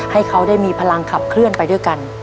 ให้เขาได้มีพลังขับเคลื่อนไปด้วยกัน